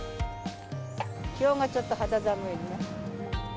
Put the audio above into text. きょうはちょっと肌寒いね。